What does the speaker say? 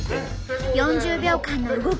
４０秒間の動き